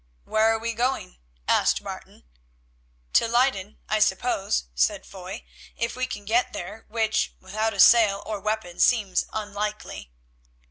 "Where are we going?" asked Martin. "To Leyden, I suppose," said Foy, "if we can get there, which, without a sail or weapons, seems unlikely."